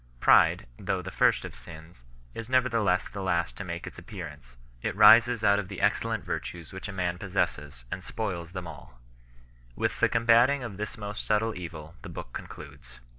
Pride, though the first of sins, is nevertheless the last to make its ap pearance ; it rises out of the excellent virtues which a man possesses, and spoils them all 10 . With the combating of this most subtle evil the book concludes.